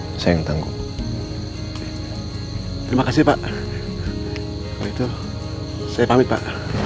nanti saya akan suruh orang untuk urus semua biaya rumah sakit anak bapak